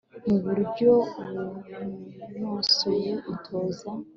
mu buryo bunonosoye utoza